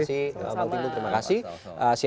makasih bank timbul terima kasih